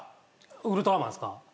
ウルトラマンですか？